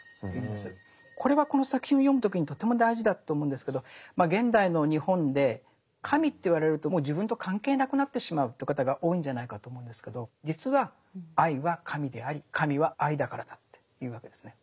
これはこの作品を読む時にとても大事だと思うんですけど現代の日本で神って言われるともう自分と関係なくなってしまうって方が多いんじゃないかと思うんですけど実は愛は神であり神は愛だからだっていうわけですね。